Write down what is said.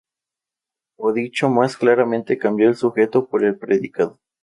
O dicho más claramente cambiar el sujeto por el predicado.